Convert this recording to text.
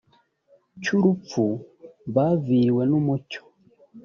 cy urupfu baviriwe n umucyo